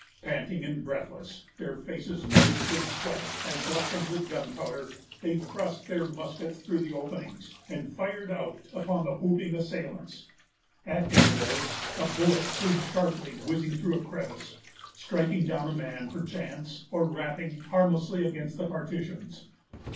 Panting and breathless, their faces moist with sweat and blackened with gunpowder, they thrust their muskets through the openings, and fired out upon the whooping assailants. At intervals, a bullet flew sharply whizzing through a crevice, striking down a man, perchance, or rapping harmlessly against the partitions.